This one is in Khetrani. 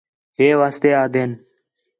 ہِے واسطے آہدین